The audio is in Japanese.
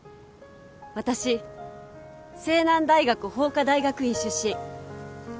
私青南大学法科大学院出身。